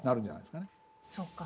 そっか。